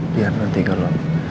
biar nanti kalau